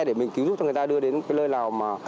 để mình cứu giúp cho người ta đưa đến cái nơi nào mà